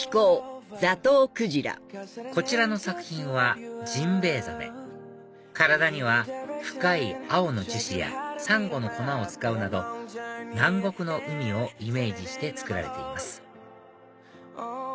こちらの作品はジンベエザメ体には深い青の樹脂やサンゴの粉を使うなど南国の海をイメージして作られています